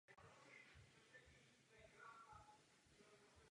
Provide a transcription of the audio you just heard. Tuto metodu musíme také použít.